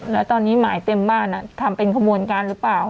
แล้วตอนนี้หมายเต็มบ้านทำเป็นขบวนการหรือเปล่า